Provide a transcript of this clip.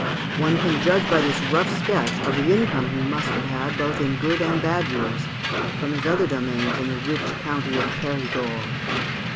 One can judge by this rough sketch, of the income he must have had, both in good and bad years, from his other domains in the rich county of Perigord.